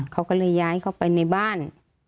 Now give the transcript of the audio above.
เขาก็เลยย้ายเข้าไปในบ้าน